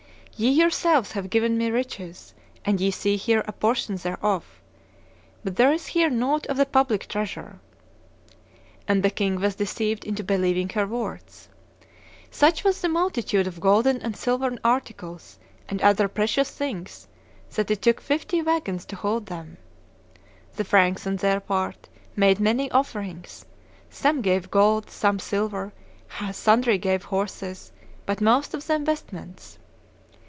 Ye yourselves have given me riches, and ye see here a portion thereof; but there is here nought of the public treasure.' And the king was deceived into believing her words. Such was the multitude of golden and silvern articles and other precious things that it took fifty wagons to hold them. The Franks, on their part, made many offerings; some gave gold, others silver, sundry gave horses, but most of them vestments.